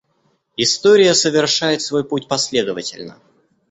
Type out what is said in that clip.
История совершает свой путь последовательно.